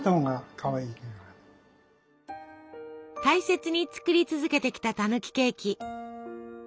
大切に作り続けてきたたぬきケーキ。